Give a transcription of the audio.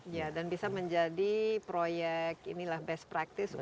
ya dan bisa menjadi proyek inilah best practice